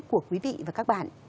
của quý vị và các bạn